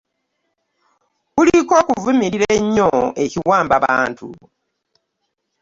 Kuliko okuvumirira ennyo ekiwambabantu